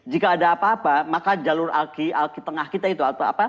jika ada apa apa maka jalur alki tengah kita itu atau apa